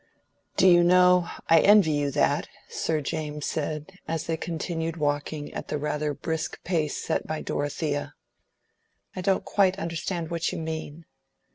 "Do you know, I envy you that," Sir James said, as they continued walking at the rather brisk pace set by Dorothea. "I don't quite understand what you mean."